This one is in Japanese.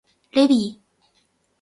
ルビー